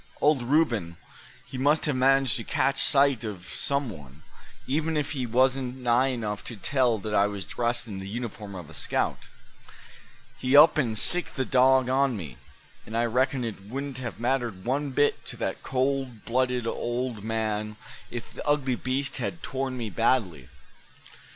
Old Reuben, he must have managed to catch sight of some one, even if he wasn't nigh enough to tell that I was dressed in the uniform of a scout. He up and sicked the dog on me; and I reckon it wouldn't have mattered one bit to that cold blooded old man if the ugly beast had torn me badly."